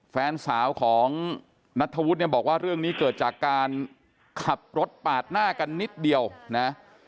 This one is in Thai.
แฟนสาวของนัทธวุฒิเนี่ยบอกว่าเรื่องนี้เกิดจากการขับรถปาดหน้ากันนิดเดียวนะ